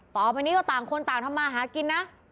ต่อไปนี้ก็ต่างคนต่างทำมาหากินนะ